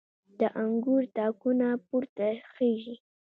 د انګور تاکونه پورته خیژي